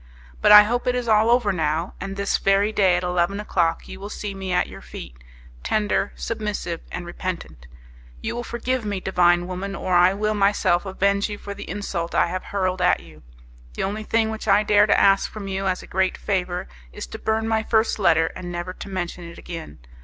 "But I hope it is all over now, and this very day at eleven o'clock you will see me at your feet tender, submissive and repentant. You will forgive me, divine woman, or I will myself avenge you for the insult I have hurled at you. The only thing which I dare to ask from you as a great favour is to burn my first letter, and never to mention it again.